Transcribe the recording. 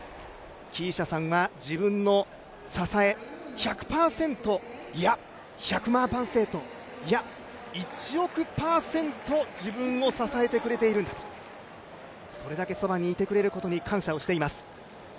キーシャさんは自分の支え１００％、１００万パーセント、いや、１億パーセント、自分を支えてくれてるんだとそれだけそばにいてくれることに感謝をしています。